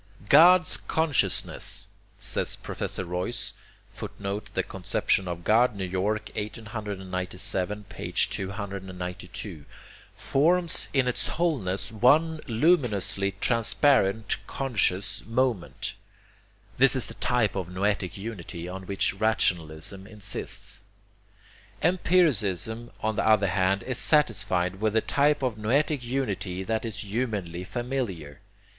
"God's consciousness," says Professor Royce,[Footnote: The Conception of God, New York, 1897, p. 292.] "forms in its wholeness one luminously transparent conscious moment" this is the type of noetic unity on which rationalism insists. Empiricism on the other hand is satisfied with the type of noetic unity that is humanly familiar.